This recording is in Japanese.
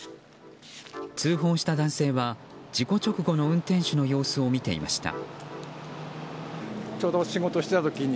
通報した男性は事故直後の運転手の様子を見ていました。